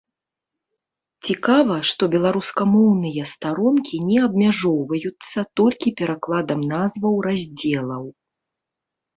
Цікава, што беларускамоўныя старонкі не абмяжоўваецца толькі перакладам назваў раздзелаў.